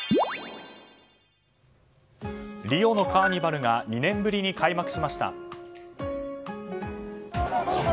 リオのカーニバルが２年ぶりに開幕しました。